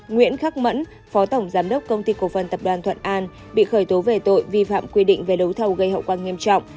nguyễn khắc mẫn phó tổng giám đốc công ty cổ phần tập đoàn thuận an bị khởi tố về tội vi phạm quy định về đấu thầu gây hậu quả nghiêm trọng